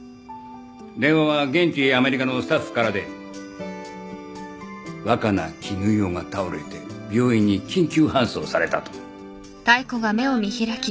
電話は現地アメリカのスタッフからで若菜絹代が倒れて病院に緊急搬送されたと。